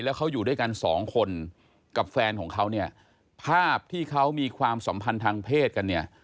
แล้วเขาอยู่ด้วยกันสองคนกับแฟนของเขาเนี่ยภาพที่เขามีความสัมพันธ์ทางเพศกันเนี่ย